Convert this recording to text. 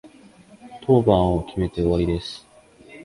当番を決めて終わりです。